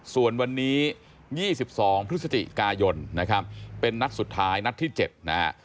ส่วนวันนี้๒๒พฤศจิกายนนะครับเป็นนัดสุดท้ายนัดที่๗นะฮะ